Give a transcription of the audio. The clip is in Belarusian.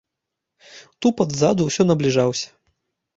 Тупат ззаду ўсё набліжаўся.